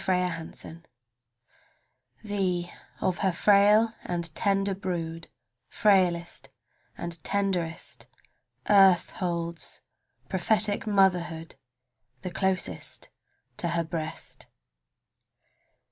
37 A VIOLET Thee, of her frail and tender brood Frailest and tenderest, Earth holds (prophetic motherhood!) The closest to her breast.